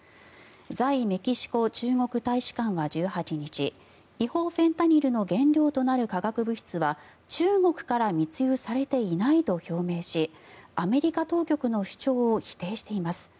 在メキシコ中国大使館は１８日違法フェンタニルの原料となる化学物質は中国から密輸されていないと表明しアメリカ当局の主張を否定しています。